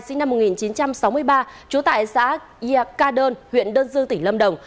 sinh năm một nghìn chín trăm sáu mươi ba trú tại xã yạc ca đơn huyện đơn dư tỉnh lâm đồng